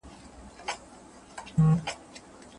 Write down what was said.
بې له موخي بله نکاح کول هيڅ معنی نلري.